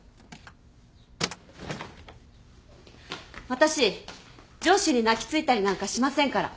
私上司に泣き付いたりなんかしませんから。